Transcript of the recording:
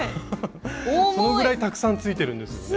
そのぐらいたくさんついてるんですよね。